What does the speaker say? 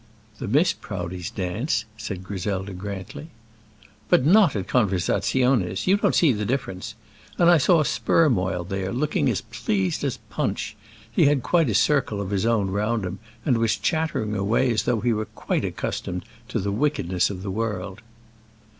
"The Miss Proudies dance," said Griselda Grantly. "But not at conversaziones. You don't see the difference. And I saw Spermoil there, looking as pleased as Punch. He had quite a circle of his own round him, and was chattering away as though he were quite accustomed to the wickednesses of the world."